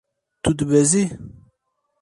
Tu dibezî.